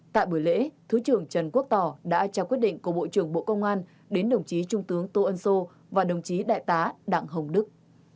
tại buổi lễ thứ trưởng trần quốc tỏ đã trao quyết định của bộ trưởng bộ công an đến đồng chí trung tướng tô ân sô và đồng chí đại tá đặng hồng đức